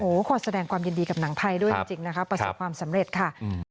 ขอแสดงความยินดีกับหนังไทยด้วยจริงนะคะประสบความสำเร็จค่ะ